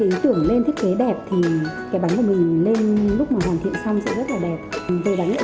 ý tưởng lên thiết kế đẹp thì cái bánh của mình lên lúc mà hoàn thiện xong sẽ rất là đẹp tôi đánh